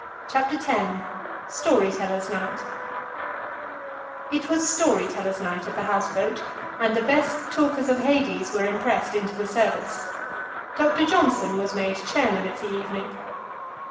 CHAPTER X: STORY TELLERS' NIGHT It was Story tellers' Night at the house boat, and the best talkers of Hades were impressed into the service. Doctor Johnson was made chairman of the evening.